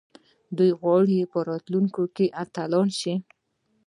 دوی غواړي په راتلونکي کې اتلان شي.